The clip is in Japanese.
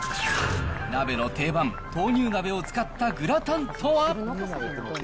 鍋の定番、豆乳鍋を使ったグラタンとは？